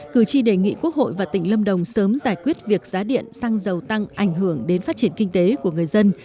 cử tri đề nghị quốc hội và tỉnh lâm đồng sớm giải quyết việc giá điện xăng dầu tăng ảnh hưởng đến phát triển kinh tế của người dân